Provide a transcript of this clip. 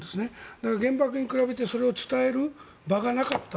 だけど原爆に比べてそれを伝える場がなかった。